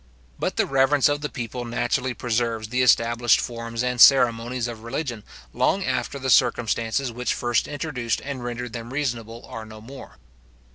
But the reverence of the people naturally preserves the established forms and ceremonies of religion long after the circumstances which first introduced and rendered them reasonable, are no more.